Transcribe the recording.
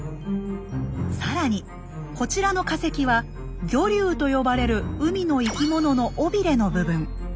更にこちらの化石は魚竜と呼ばれる海の生き物の尾びれの部分。